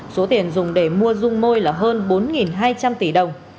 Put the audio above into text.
số tiền dùng để mua dung môi là hơn bốn hai trăm linh tỷ đồng